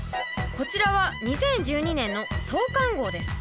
こちらは２０１２年の創刊号です。